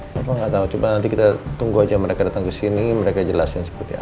papa gak tau cuma nanti kita tunggu aja mereka datang kesini mereka jelasin seperti apa